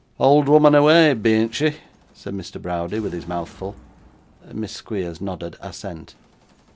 'Old wooman awa', bean't she?' said Mr. Browdie, with his mouth full. Miss Squeers nodded assent.